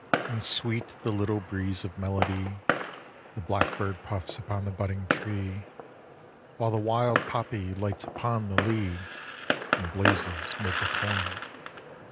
And sweet the little breeze of melody. The blackbird puffs upon the budding tree, While the wild poppy lights upon the lea And blazes 'mid the corn.